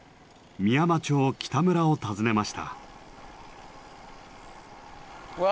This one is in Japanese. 美山町北村を訪ねました。